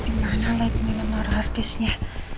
dimana lagi menurut harddisknya